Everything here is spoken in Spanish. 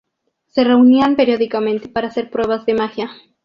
Se reunían periódicamente para hacer pruebas de magia.